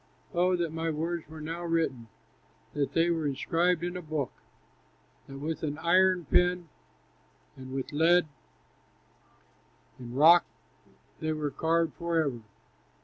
Oh, that my words were now written, That they were inscribed in a book, That with an iron pen and with lead In rock they were carved forever!